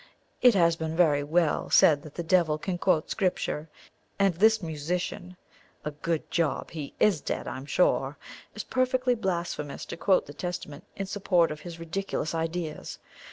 "It has been very well said that the devil can quote Scripture, and this musician (a good job he IS dead, I'm sure) is perfectly blasphemous to quote the Testament in support of his ridiculous ideas!